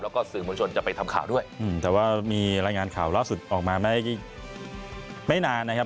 แล้วก็สื่อมวลชนจะไปทำข่าวด้วยแต่ว่ามีรายงานข่าวล่าสุดออกมาไม่ได้ไม่นานนะครับ